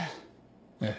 ええ。